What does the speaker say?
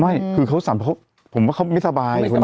ไม่คือเขาสั่นเพราะผมว่าเขาไม่สบาย